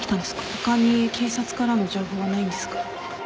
他に警察からの情報はないんですか？